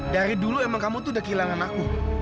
dari dulu emang kamu tuh udah kehilangan aku